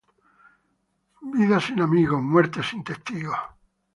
Vida sin amigos, muerte sin testigos.